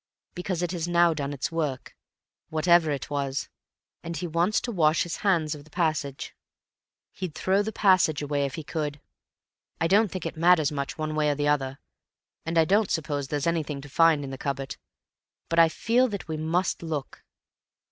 "Because it has now done its work, whatever it was, and he wants to wash his hands of the passage. He'd throw the passage away if he could. I don't think it matters much one way or another, and I don't suppose there's anything to find in the cupboard, but I feel that we must look."